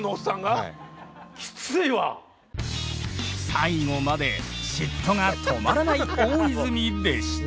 最後まで嫉妬が止まらない大泉でした。